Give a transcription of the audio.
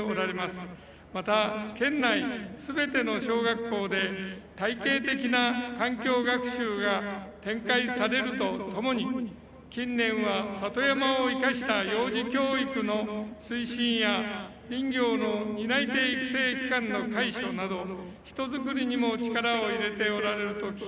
また県内全ての小学校で体系的な環境学習が展開されるとともに近年は里山を生かした幼児教育の推進や林業の担い手育成機関の対処など人づくりにも力を入れておられると聞き及んでおります。